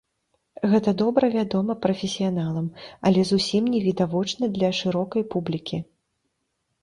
Гэта добра вядома прафесіяналам, але зусім не відавочна для шырокай публікі.